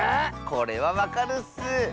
これはわかるッス！